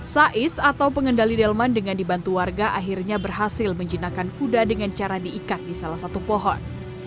sais atau pengendali delman dengan dibantu warga akhirnya berhasil menjinakkan kuda dengan cara diikat di salah satu pohon